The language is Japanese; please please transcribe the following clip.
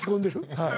はい。